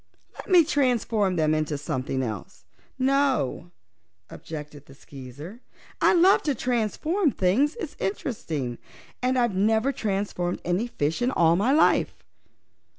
"Let me transform them into something else." "No," objected the Skeezer. "I love to transform things; it's so interesting. And I've never transformed any fishes in all my life."